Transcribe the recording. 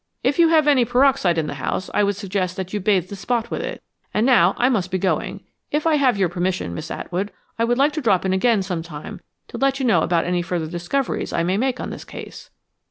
If you have any peroxide in the house, I would suggest that you bathe the spot with it. And now I must be going. If I have your permission, Miss Atwood, I would like to drop in again sometime to let you know about any further discoveries I may make on this case."